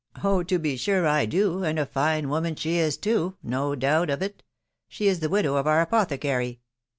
".... Oh ! to be sure I do, and a fine woman she is too,— no doubt of it. She is the widow of our apothecary."